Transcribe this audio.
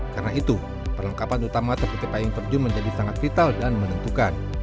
karena itu perlengkapan utama seperti payung terjun menjadi sangat vital dan menentukan